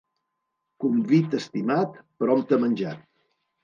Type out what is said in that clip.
Convit estimat, prompte menjat.